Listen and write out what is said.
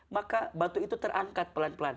maka batu itu terangkat pelan pelan